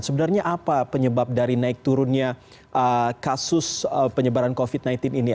sebenarnya apa penyebab dari naik turunnya kasus penyebaran covid sembilan belas ini